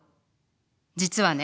実はね